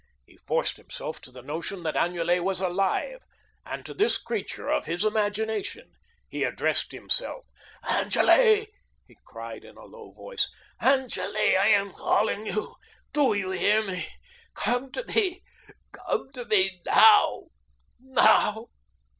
He forced himself to the notion that Angele was alive, and to this creature of his imagination he addressed himself: "Angele!" he cried in a low voice; "Angele, I am calling you do you hear? Come to me come to me now, now."